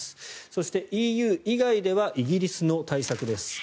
そして、ＥＵ以外ではイギリスの対策です。